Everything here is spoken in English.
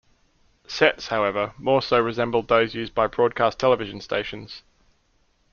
Sets, however, more so resembled those used by broadcast television stations.